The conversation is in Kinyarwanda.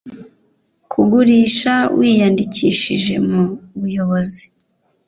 ku ugurisha wiyandikishije mu buyobozi